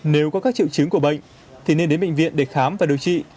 nếu có các triệu chứng của bệnh thì nên đến bệnh viện để khám và điều trị